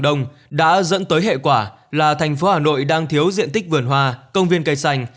đồng đã dẫn tới hệ quả là thành phố hà nội đang thiếu diện tích vườn hoa công viên cây xanh